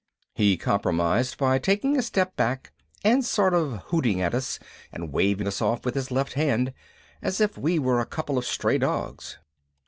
_ He compromised by taking a step back and sort of hooting at us and waving us off with his left hand, as if we were a couple of stray dogs.